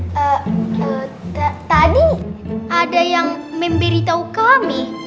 ee ee tadi ada yang memberi tau kami